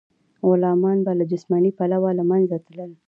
غلامان به له جسماني پلوه له منځه تلل.